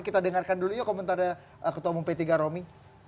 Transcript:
kita dengarkan dulu yuk komentarnya ketua umum p tiga romi